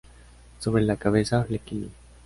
Sobre la cabeza flequillo.